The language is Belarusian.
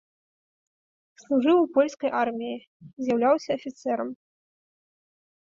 Служыў у польскай арміі, з'яўляўся афіцэрам.